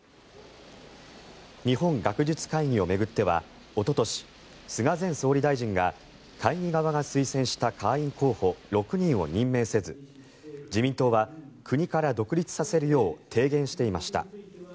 日本学術会議を巡ってはおととし菅前総理大臣が会議側が推薦した会員候補６人を任命せず自民党は国から独立させるよう提言していました。